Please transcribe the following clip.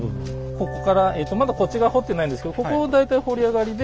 ここからえとまだこっち側掘ってないんですけどここ大体堀り上がりで